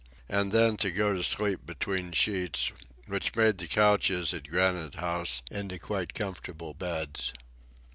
and then to go to sleep between sheets, which made the couches at Granite House into quite comfortable beds!